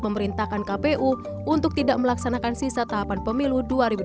memerintahkan kpu untuk tidak melaksanakan sisa tahapan pemilu dua ribu dua puluh